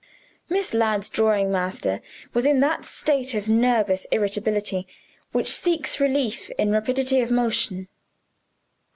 Miss Ladd's drawing master was in that state of nervous irritability which seeks relief in rapidity of motion.